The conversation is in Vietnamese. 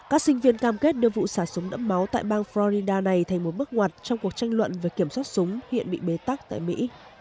các sinh viên cam kết đưa vụ xả súng đẫm máu tại bang florida này thành một bước ngoặt trong cuộc tranh luận về kiểm soát súng hiện bị bế tắc tại mỹ